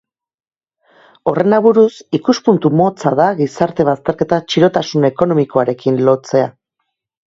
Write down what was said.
Horren aburuz, ikuspuntu motza da gizarte bazterketa txirotasun ekonomikoarekin lotzea.